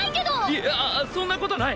いやそんなことない。